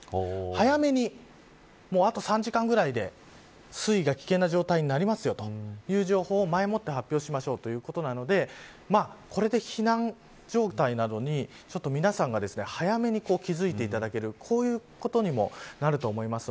早めに、あと３時間ぐらいで水位が危険な状態になりますよという情報を前もって発表しましょうということなのでこれで避難状態などに皆さんが早めに気付いていただけるこういうことにもなると思います。